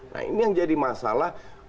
nah ini yang jadi masalah